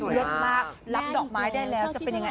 เยอะมากรับดอกไม้ได้แล้วจะเป็นยังไง